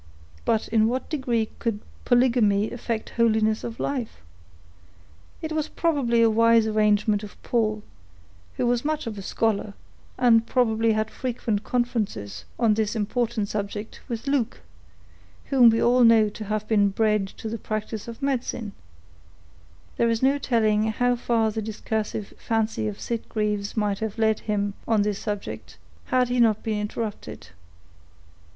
But in what degree could polygamy affect holiness of life? It was probably a wise arrangement of Paul, who was much of a scholar, and probably had frequent conferences, on this important subject, with Luke, whom we all know to have been bred to the practice of medicine—" There is no telling how far the discursive fancy of Sitgreaves might have led him, on this subject, had he not been interrupted.